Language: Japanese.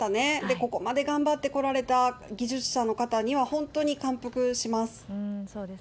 ここまで頑張ってこられた技術者の方々には、本当に感服します。